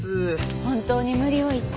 本当に無理を言って